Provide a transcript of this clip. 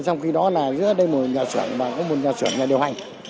xong khi đó là giữa đây một nhà sửa và có một nhà sửa nhà điều hành